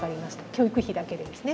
教育費だけでですね。